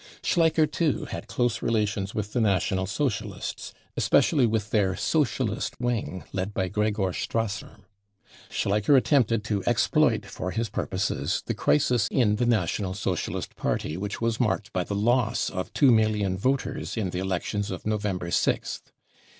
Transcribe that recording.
Schleicher, too, had close relations with the National Socialists, especially with their " socialist " wing led by Gregor Strasser. Schleicher attempted to exploit fo£ his purposes the crisis in the National Socialist Party which was marked by the loss of two million voters in the elections of November 6th.